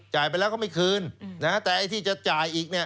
ไปแล้วก็ไม่คืนนะฮะแต่ไอ้ที่จะจ่ายอีกเนี่ย